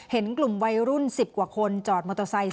เห็นกลุ่มวัยรุ่น๑๐กว่าคนจอดมอเตอร์ไซค์